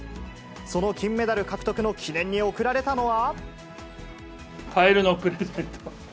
その金メダル獲得の記念に贈られたのは。